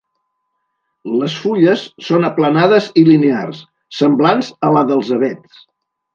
Les fulles són aplanades i linears, semblants a la dels avets.